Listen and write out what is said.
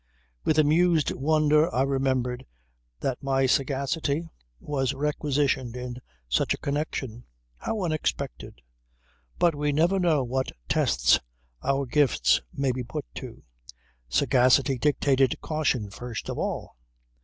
With amused wonder I remembered that my sagacity was requisitioned in such a connection. How unexpected! But we never know what tests our gifts may be put to. Sagacity dictated caution first of all.